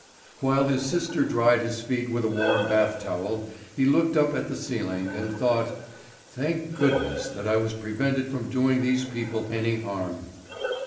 While his sister dried his feet with a warm bath towel, he looked up at the ceiling, and thought: "Thank goodness that I was prevented from doing these people any harm!"